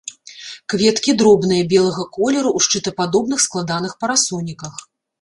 Кветкі дробныя, белага колеру, у шчытападобных складаных парасоніках.